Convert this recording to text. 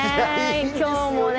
今日もね。